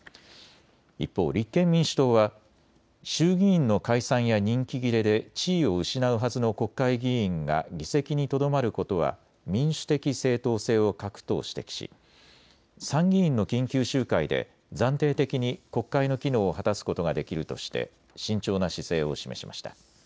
一方、立憲民主党は衆議院の解散や任期切れで地位を失うはずの国会議員が議席にとどまることは民主的正当性を欠くと指摘し参議院の緊急集会で暫定的に国会の機能を果たすことができるとして慎重な姿勢を示しました。